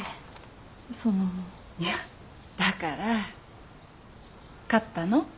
いやだから勝ったの？